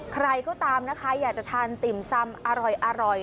ใครก็ตามนะคะอยากจะทานติ่มซำอร่อย